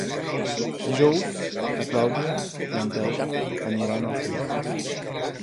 Dijous na Clàudia i en Telm aniran al cinema.